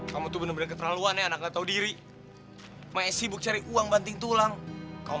kamu tuh bener bener ketahuan ya anaknya tahu diri saya sibuk cari uang banting tulang kau